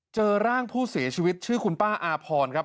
เจอร่างผู้เสียชีวิตชื่อคุณป้าอาพรครับ